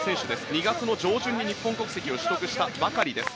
２月上旬に日本国籍を取得したばかりです。